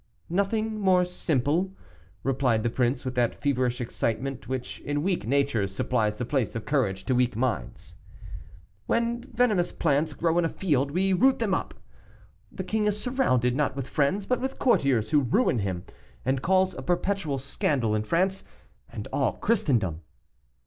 "Nothing more simple," replied the prince, with that feverish excitement which in weak natures supplies the place of courage to weak minds; "when venomous plants grow in a field, we root them up. The king is surrounded, not with friends, but with courtiers, who ruin him, and cause a perpetual scandal in France and all Christendom."